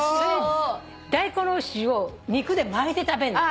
大根おろしを肉で巻いて食べんの。